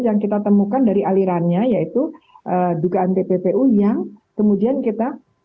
yang kita temukan dari alirannya yaitu dugaan tppu yang kemudian kita